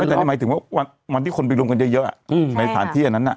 แต่นี่หมายถึงว่าวันที่คนไปรวมกันเยอะในสถานที่อันนั้น